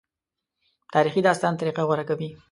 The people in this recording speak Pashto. تاریخي داستان طریقه غوره کوي.